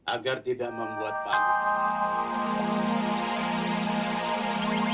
agar tidak membuat pak kades